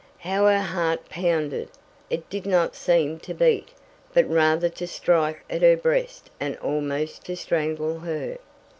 How her heart pounded! It did not seem to beat, but rather to strike at her breast and almost to strangle her.